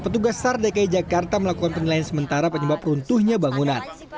petugas sardekai jakarta melakukan penilaian sementara penyebab runtuhnya bangunan